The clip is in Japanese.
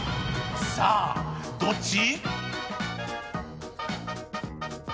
さあ、どっち？